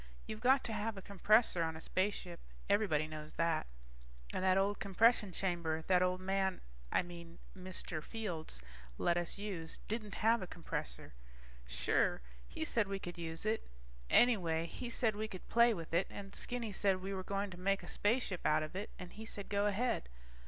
You've got to have a compressor on a spaceship, everybody knows that. And that old compression chamber that old man ... I mean Mr. Fields let us use didn't have a compressor. Sure he said we could use it. Anyway he said we could play with it, and Skinny said we were going to make a spaceship out of it, and he said go ahead.